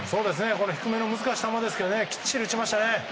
これ、低めの難しい球きっちり打ちましたね。